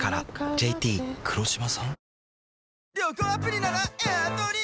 ＪＴ黒島さん？